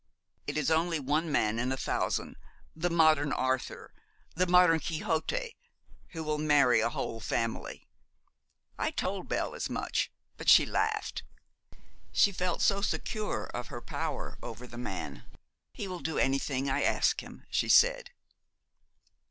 It is only one man in a thousand the modern Arthur, the modern Quixote who will marry a whole family. I told Belle as much, but she laughed. She felt so secure of her power over the man. "He will do anything I ask him," she said.'